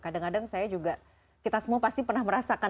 kadang kadang saya juga kita semua pasti pernah merasakan